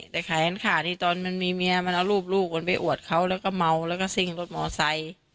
แต่แขนขาที่ตอนมันมีเมียมันเอารูปลูกมันไปอวดเขาแล้วก็เมาแล้วก็ซิ่งรถมอไซค์